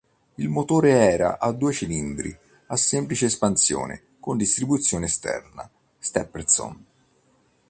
Il motore era a due cilindri, a semplice espansione con distribuzione esterna Stephenson.